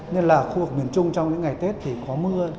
nên là khu vực miền trung trong những ngày tết thì có mưa